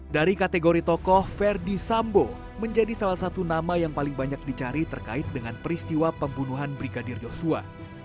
dari kategori tokoh verdi sambo menjadi salah satu nama yang paling banyak dicari terkait dengan peristiwa pembunuhan brigadir yosua